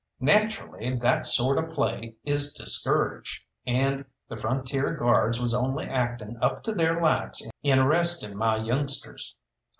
Naturally that sort of play is discouraged, and the Frontier Guards was only acting up to their lights in arresting my youngsters.